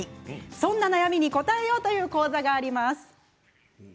そんな悩みに応えようという講座があります。